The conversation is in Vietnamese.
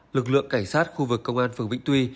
lực lượng cảnh sát khu vực công an phường vĩnh tuy